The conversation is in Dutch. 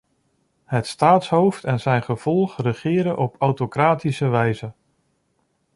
Het staatshoofd en zijn gevolg regeren op autocratische wijze.